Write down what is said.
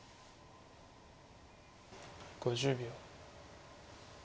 ５０秒。